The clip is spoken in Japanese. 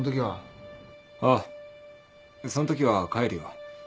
ああそんときは帰るよ。